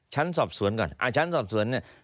ฉันสอบสวนก่อน